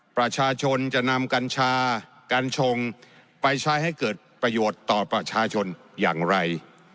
ประชาชนจะนำกัญชากัญชงไปใช้ให้เกิดประโยชน์ต่อประชาชนอย่างไร